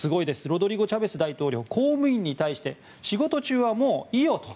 ロドリゴ・チャベス大統領公務員に対して仕事中はもういいよと。